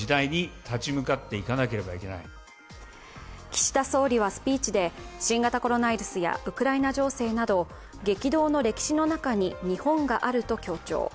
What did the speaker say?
岸田総理はスピーチで、新型コロナウイルスやウクライナ情勢など激動の歴史の中に日本があると強調。